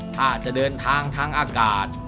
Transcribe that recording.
ถ้าจะเดินทางทางอากาศ